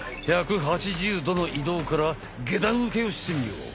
１８０度の移動から下段受けをしてみよう！